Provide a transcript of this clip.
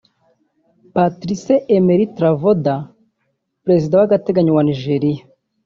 Patrice Emery Trovoada; Perezida w’Agateganyo wa Nigeria